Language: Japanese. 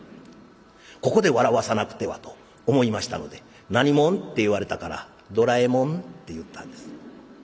ここで笑わさなくてはと思いましたので「なにもん？」って言われたから「ドラえもん」って言ったんです。